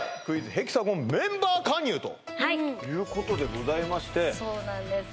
ヘキサゴンⅡ」メンバー加入ということでございましてそうなんです